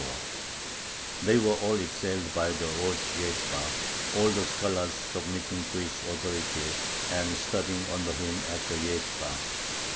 They were all excelled by the rosh yeshibah, all the scholars submitting to his authority and studying under him at the yeshibah.